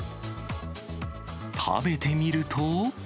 食べてみると。